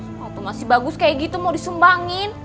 waktu masih bagus kayak gitu mau disumbangin